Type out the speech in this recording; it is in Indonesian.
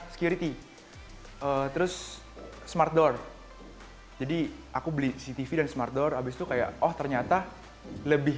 security terus smart door jadi aku beli cctv dan smart door abis itu kayak oh ternyata lebih